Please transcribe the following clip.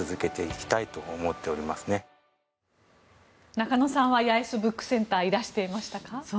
中野さんは八重洲ブックセンターいらしていましたか？